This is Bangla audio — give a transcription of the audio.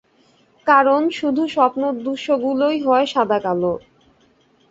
কারণ, শুধু স্বপ্নদূশ্যগুলোই হয় সাদাকালো।